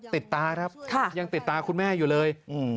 ตาครับยังติดตาคุณแม่อยู่เลย